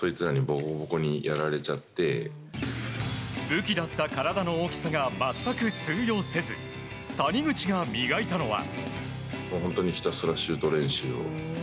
武器だった体の大きさが全く通用せず谷口が磨いたのは。